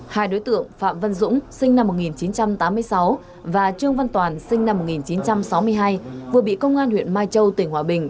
hai đối tượng phạm văn dũng sinh năm một nghìn chín trăm tám mươi sáu và trương văn toàn sinh năm một nghìn chín trăm sáu mươi hai vừa bị công an huyện mai châu tỉnh hòa bình